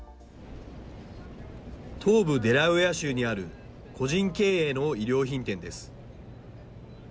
東部デラウェア州にある個人経営の衣料品店です。